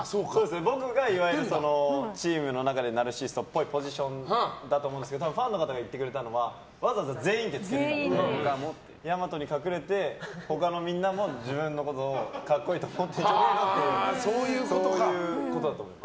僕が、いわゆるチームの中でナルシストっぽいポジションだと思うんですけど多分、ファンの方が言ってくれたのはわざわざ全員ってつけているのでやまとに隠れて他のみんなも自分のこと格好いいと思ってるんじゃないかということだと思います。